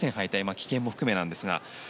棄権も含めなんですが。